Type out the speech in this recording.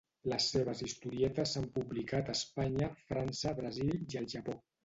Les seves historietes s'han publicat a Espanya, França, Brasil i al Japó.